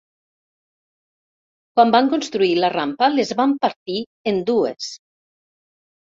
Quan van construir la rampa les van partir en dues.